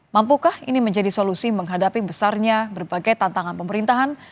mampukah ini menjadi solusi menghadapi besarnya berbagai tantangan pemerintahan